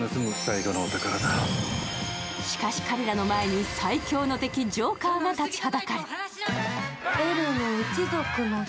しかし、彼らの前に最強の敵・ジョーカーが立ちはだかる。